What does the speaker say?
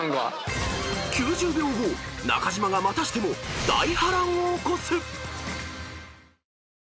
［９０秒後中島がまたしても大波乱を起こす！］